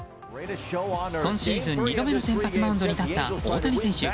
今シーズン２度目の先発マウンドに立った大谷選手。